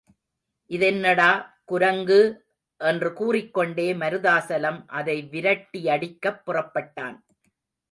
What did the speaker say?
இதென்னடா, குரங்கு! என்று கூறிக்கொண்டே மருதாசலம் அதை விரட்டியடிக்கப் புறப்பட்டான்.